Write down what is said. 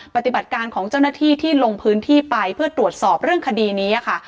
ปฏิบัติการของเจ้าหน้าที่ที่ลงพื้นที่ไปเพื่อตรวจสอบเรื่องคดีนี้ค่ะ